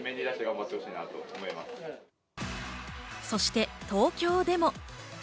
そして、東京でも。